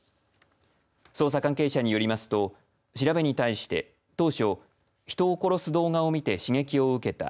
捜査関係者によりますと調べに対して当初、人を殺す動画を見て刺激を受けた。